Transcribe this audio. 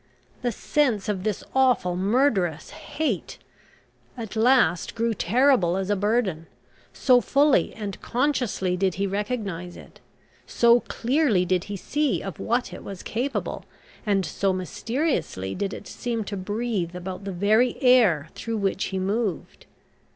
The sense of this awful murderous Hate, at last grew terrible as a burden, so fully and consciously did he recognise it, so clearly did he see of what it was capable, and so mysteriously did it seem to breathe about the very air through which he moved.